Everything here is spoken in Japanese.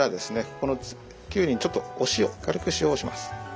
このきゅうりにちょっとお塩軽く塩をします。